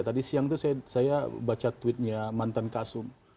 tadi siang itu saya baca tweetnya mantan kasum